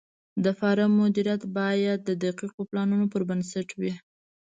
د فارم مدیریت باید د دقیقو پلانونو پر بنسټ وي.